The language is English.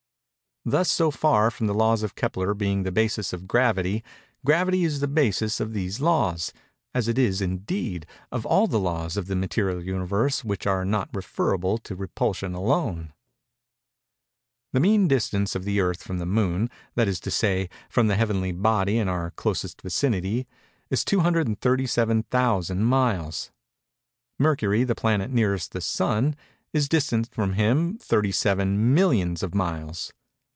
Thus so far from the laws of Kepler being the basis of Gravity, Gravity is the basis of these laws—as it is, indeed, of all the laws of the material Universe which are not referable to Repulsion alone. The mean distance of the Earth from the Moon—that is to say, from the heavenly body in our closest vicinity—is 237,000 miles. Mercury, the planet nearest the Sun, is distant from him 37 millions of miles.